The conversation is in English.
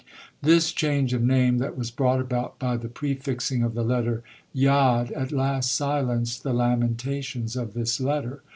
This change of name that was brought about by the prefixing of the letter Yod at last silenced the lamentations of this letter.